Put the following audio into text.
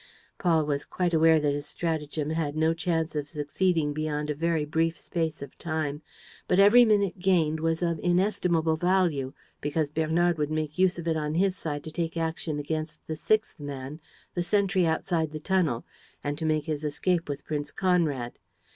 Paul was quite aware that his stratagem had no chance of succeeding beyond a very brief space of time; but every minute gained was of inestimable value, because Bernard would make use of it on his side to take action against the sixth man, the sentry outside the tunnel, and to make his escape with Prince Conrad.